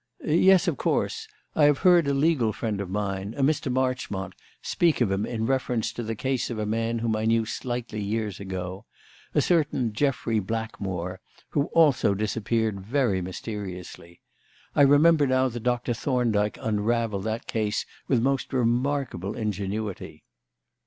Yes, of course. I have heard a legal friend of mine, a Mr. Marchmont, speak of him in reference to the case of a man whom I knew slightly years ago a certain Jeffrey Blackmore, who also disappeared very mysteriously. I remember now that Doctor Thorndyke unravelled that case with most remarkable ingenuity."